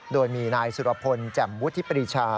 โดยมีนายสุรพลแจ่มวุฒิปรีชา